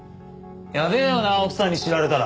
やべえよな奥さんに知られたら。